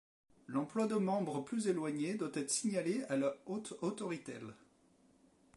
L'emploi de membres plus éloignés doit être signalé à la Haute Autoritél.